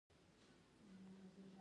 هېواد د ثبات امید دی.